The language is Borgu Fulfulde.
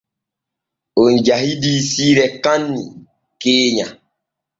On jahidii siire kaanni keenya.